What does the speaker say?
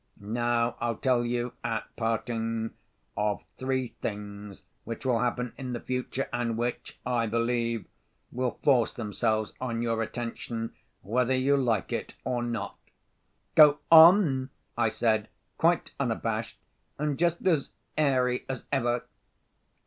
Now I'll tell you, at parting, of three things which will happen in the future, and which, I believe, will force themselves on your attention, whether you like it or not." "Go on!" I said, quite unabashed, and just as airy as ever.